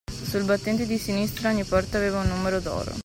Sul battente di sinistra, ogni porta aveva un numero d’oro.